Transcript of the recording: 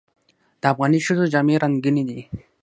د افغاني ښځو جامې رنګینې دي.